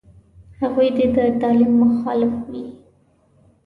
هغوی دې د تعلیم مخالف وي.